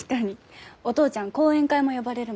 お父ちゃん講演会も呼ばれるもんね。